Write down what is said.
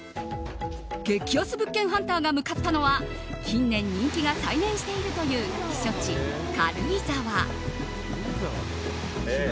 激安物件ハンターが向かったのは近年、人気が再燃しているという避暑地、軽井沢。